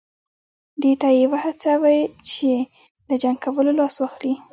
دې ته یې وهڅوي چې له جنګ کولو لاس واخلي.